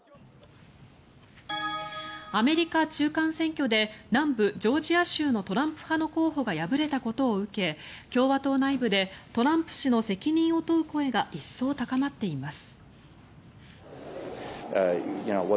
アメリカ中間選挙で南部ジョージア州のトランプ派の候補が敗れたことを受け共和党内部でトランプ氏の責任を問う声が一層高まっています。